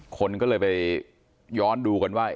คนก็เลยไปย้อนดูกันว่า